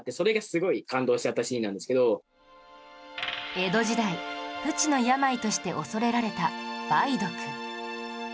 江戸時代不治の病として恐れられた梅毒